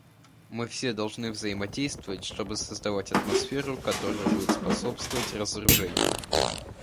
Мы все должны взаимодействовать, чтобы создавать атмосферу, которая будет способствовать разоружению.